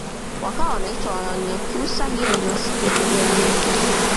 wakawa wanaitwa wanyakyusa hiyo ndiyo asili ya kabila la wanyakyusa